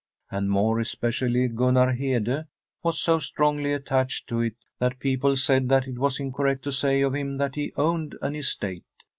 And more especially Gtmnar Hede was so strongly at tached to it that people said that it was incor rect to say of him that he owned an estate.